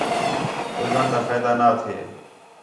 ٻُجھݨ تا فائدہ نہ تھے